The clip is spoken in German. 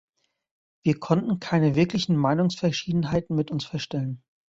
Wir konnten keine wirklichen Meinungsverschiedenheiten mit uns feststellen.